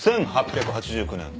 １８８９年。